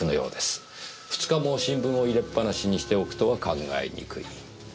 ２日も新聞を入れっぱなしにしておくとは考えにくい。